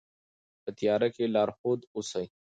په تیاره کې لارښود اوسئ.